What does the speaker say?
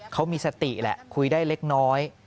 เขามีสติแหละคุยได้เล็กน้อย